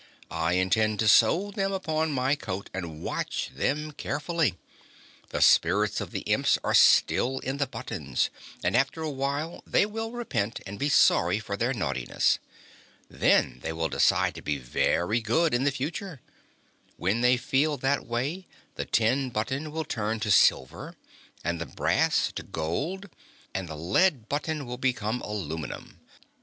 "I intend to sew them upon my coat and watch them carefully. The spirits of the Imps are still in the buttons, and after a time they will repent and be sorry for their naughtiness. Then they will decide to be very good in the future. When they feel that way, the tin button will turn to silver and the brass to gold, while the lead button will become aluminum.